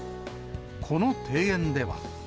この庭園では。